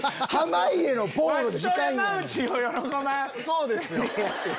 そうですよ！